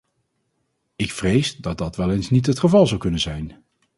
Ik vrees dat dat wel eens niet het geval zou kunnen zijn.